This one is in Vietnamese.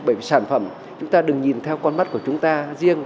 bởi vì sản phẩm chúng ta đừng nhìn theo con mắt của chúng ta riêng